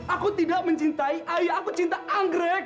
aku tidak mencintai ayah aku cinta anggrek